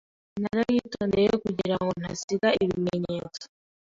Nariyitondeye kugirango ntasiga ibimenyetso.